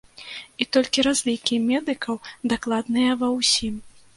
І толькі разлікі медыкаў дакладныя ва ўсім.